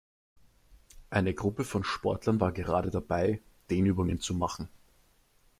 Eine Gruppe von Sportlern war gerade dabei, Dehnübungen zu machen.